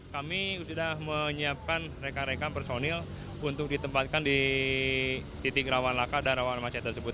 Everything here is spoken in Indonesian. kami sudah menyiapkan reka rekan personil untuk ditempatkan di titik rawan laka dan rawan macet tersebut